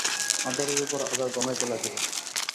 আঁধারের উপর আঁধার ঘনাইতে লাগিল।